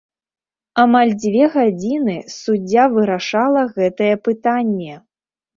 Амаль дзве гадзіны суддзя вырашала гэтае пытанне.